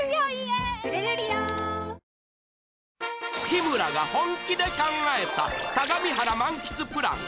日村が本気で考えた相模原満喫プラン